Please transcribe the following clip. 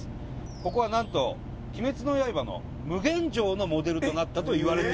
ここはなんと『鬼滅の刃』の無限城のモデルとなったといわれている。